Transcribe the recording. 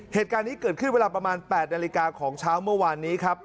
เหตุการณ์นี้เกิดขึ้นเวลาประมาณ๘นาฬิกาของเช้าเมื่อวานนี้ครับ